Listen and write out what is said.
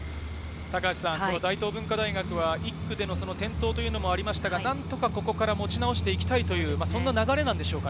大東文化大は１区で転倒がありましたが、何とかここから持ち直していきたいという流れでしょうか。